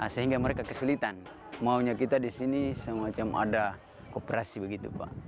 sehingga mereka kesulitan maunya kita di sini semacam ada kooperasi begitu pak